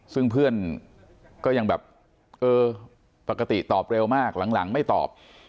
ซึ่งเพื่อนก็ยังแบบเออปกติตอบเร็วมากหลังไม่ตอบ